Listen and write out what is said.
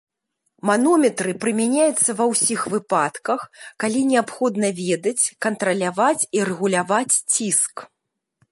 Манометры прымяняюцца ва ўсіх выпадках, калі неабходна ведаць, кантраляваць і рэгуляваць ціск.